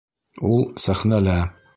Ул сәхнәлә.